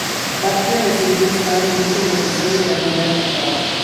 Bartlet recibió un disparo en el último episodio de la primera temporada.